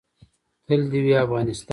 تل دې وي افغانستان